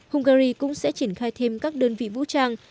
hungary cũng sẽ triển khai thêm các đơn vị vũ trang